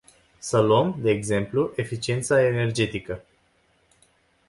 Să luăm, de exemplu, eficiența energetică.